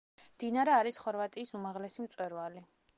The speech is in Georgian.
დინარა არის ხორვატიის უმაღლესი მწვერვალი.